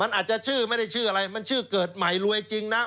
มันอาจจะชื่อไม่ได้ชื่ออะไรมันชื่อเกิดใหม่รวยจริงนะ